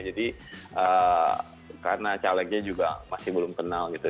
jadi karena calegnya juga masih belum kenal gitu